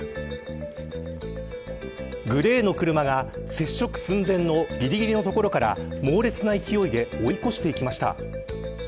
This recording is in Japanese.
グレーの車が、接触寸前のぎりぎりのところから猛烈な勢いで追い越していきました。